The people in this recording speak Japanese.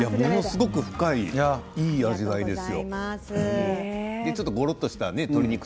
ものすごく深いいい味わいですよ。